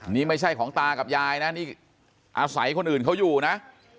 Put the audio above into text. นี่ไม่ใช่ของตากับยายนะนี่อาศัยคนอื่นเขาอยู่นะ